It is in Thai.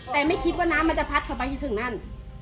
แต่ไม่คิดว่าน้ำมันจะพัทรถับมาอยู่ตรงนั้น